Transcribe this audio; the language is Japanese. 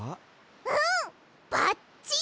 うんばっちり！